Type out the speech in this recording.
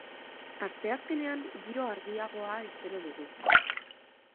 Asteazkenean giro argiagoa espero dugu.